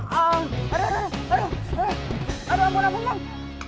aduh aduh aduh ampun ampun bang